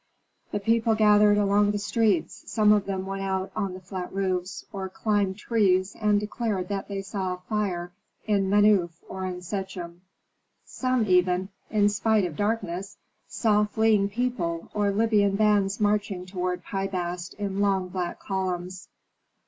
The people gathered along the streets; some of them went out on the flat roofs, or climbed trees, and declared that they saw a fire in Menuf or in Sechem. Some, even, in spite of darkness, saw fleeing people, or Libyan bands marching toward Pi Bast in long black columns.